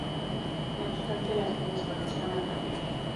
No obstante, las cosas comenzaron a cambiar.